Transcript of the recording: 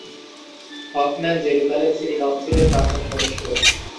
Hofmann Jerusalem city কাউন্সিলের প্রাক্তন সদস্য।